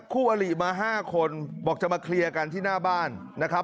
คู่อลิมา๕คนบอกจะมาเคลียร์กันที่หน้าบ้านนะครับ